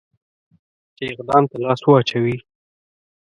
چې اقدام ته لاس واچوي.